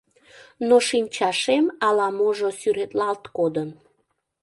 Но шинчашем ала-можо сӱретлалт кодын.